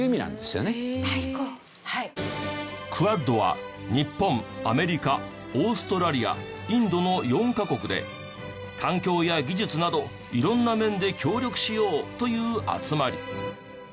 ＱＵＡＤは日本アメリカオーストラリアインドの４カ国で環境や技術など色んな面で協力しようという集まり。